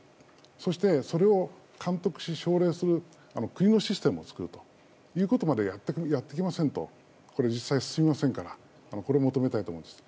そしてそれを監督し奨励する国のシステムを作ることまでやっていきませんと実際に進みませんからこれを求めたいと思います。